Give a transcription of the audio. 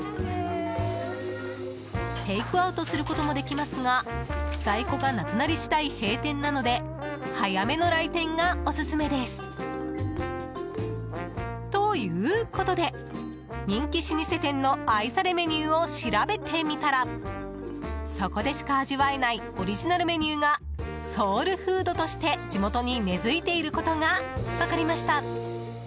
テイクアウトすることもできますが在庫がなくなり次第、閉店なので早めの来店がオススメです。ということで人気老舗店の愛されメニューを調べてみたらそこでしか味わえないオリジナルメニューがソウルフードとして地元に根付いていることが分かりました。